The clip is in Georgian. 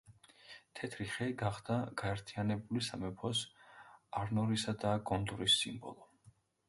თეთრი ხე გახდა გაერთიანებული სამეფოს, არნორისა და გონდორის სიმბოლო.